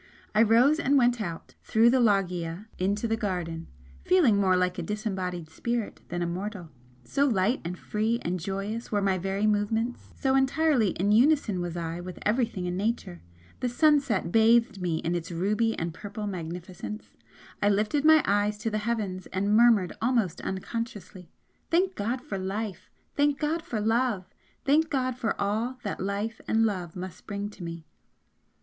I rose and went out, through the loggia into the garden feeling more like a disembodied spirit than a mortal, so light and free and joyous were my very movements so entirely in unison was I with everything in Nature. The sunset bathed me in its ruby and purple magnificence, I lifted my eyes to the heavens and murmured almost unconsciously "Thank God for Life! Thank God for Love! Thank God for all that Life and Love must bring to me!"